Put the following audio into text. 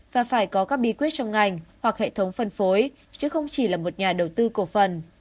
và phải có các bí quyết trong ngành hoặc hệ thống phân phối chứ không chỉ là một nhà đầu tư cổ phần